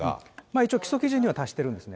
一応、基礎基準には達してるんですね。